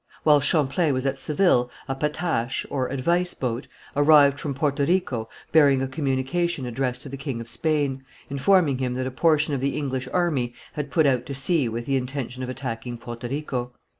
While Champlain was at Seville, a patache, or advice boat, arrived from Porto Rico bearing a communication addressed to the king of Spain, informing him that a portion of the English army had put out to sea with the intention of attacking Porto Rico.